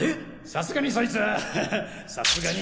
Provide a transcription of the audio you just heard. さすがにそいつはハハさすがに。